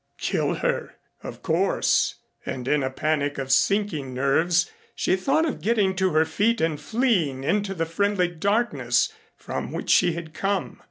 Kill her, of course. And in a panic of sinking nerves she thought of getting to her feet and fleeing into the friendly darkness from which she had come.